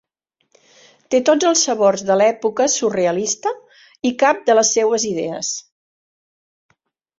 Té tots els sabors de l'època surrealista i cap de les seues idees.